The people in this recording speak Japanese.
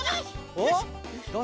おっ？